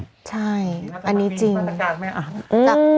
ใช่อันนี้จริง